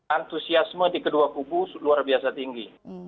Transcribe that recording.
antusiasme di kedua kubu luar biasa tinggi